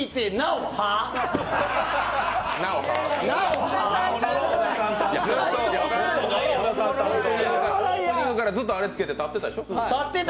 オープニングからずっとあれつけて立ってたでしょ？